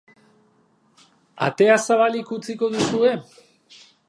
Atea zabalik utziko duzue?